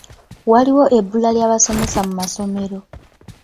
Waliwo ebbula ly'abasomesa mu masomero.